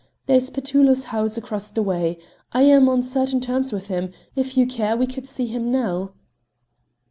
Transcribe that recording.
There's Petullo's house across the way; I'm on certain terms with him; if you care, we could see him now."